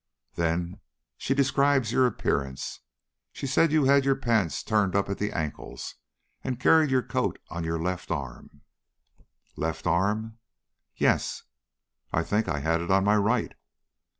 "Then she describes your appearance. She says you had your pants turned up at the ankles, and carried your coat on your left arm." "Left arm?" "Yes." "I think I had it on my right."